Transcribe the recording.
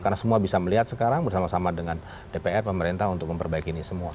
karena semua bisa melihat sekarang bersama sama dengan dpr pemerintah untuk memperbaiki ini semua